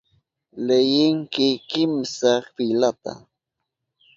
Leyinki kimsa filata.